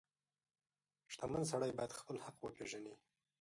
• شتمن سړی باید خپل حق وپیژني.